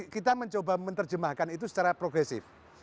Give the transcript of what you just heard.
kita mencoba menerjemahkan itu secara progresif